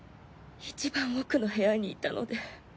一番奥の部屋にいたので。